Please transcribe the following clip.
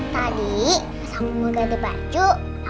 tadi pas aku mau ganti baju